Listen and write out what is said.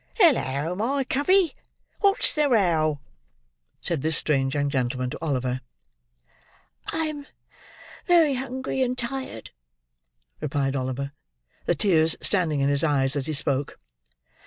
"Hullo, my covey! What's the row?" said this strange young gentleman to Oliver. "I am very hungry and tired," replied Oliver: the tears standing in his eyes as he spoke.